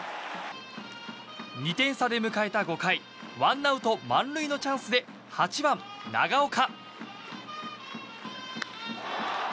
２点差で迎えた５回ワンアウト満塁のチャンスで８番、長岡。